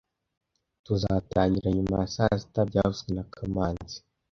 Tuzatangira nyuma ya saa sita byavuzwe na kamanzi